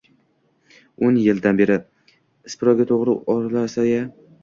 O‘n yildan beri Ispisorga o‘g‘ri oralamasa-ya.